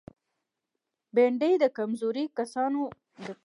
بېنډۍ د کمزوري کسانو لپاره قوت ده